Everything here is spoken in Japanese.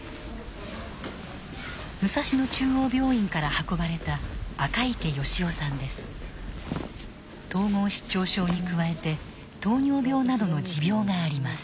武蔵野中央病院から運ばれた統合失調症に加えて糖尿病などの持病があります。